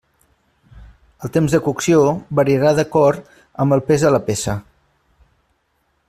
El temps de cocció variarà d'acord amb el pes de la peça.